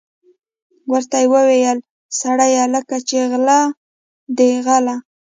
ورته ویې ویل: سړیه لکه چې غله دي غله.